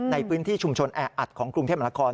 ในพื้นที่ชุมชนแออัดของกรุงเทพมนาคม